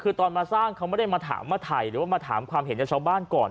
คือตอนมาสร้างเขาไม่ได้มาถามมาถ่ายหรือว่ามาถามความเห็นจากชาวบ้านก่อน